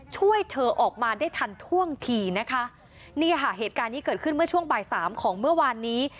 ช่วยเธอออกมาได้ทันท่วงทีนะคะเนี่ยค่ะเหตุการณ์นี้เกิดขึ้นเมื่อช่วงบ่ายสามของเมื่อวานนี้